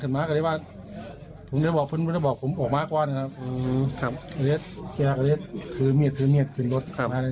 คือเมียกถือเมียกถือลด